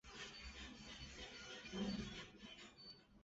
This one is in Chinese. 垂穗虎尾草为禾本科虎尾草属下的一个种。